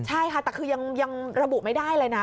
ใช่ค่ะแต่คือยังระบุไม่ได้เลยนะ